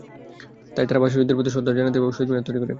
তাই তারা ভাষা শহীদদের প্রতি শ্রদ্ধা জানাতে এভাবে শহীদ মিনার তৈরি করে।